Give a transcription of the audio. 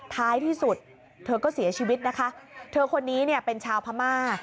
ท้ายที่สุดเธอก็เสียชีวิตนะคะเธอคนนี้เนี่ยเป็นชาวพม่า